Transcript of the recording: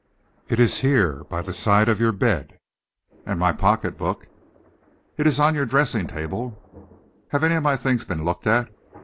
"It is here by the side of your bed." "And my pocket book?" "It is on your dressing table." "Have any of my things been looked at?"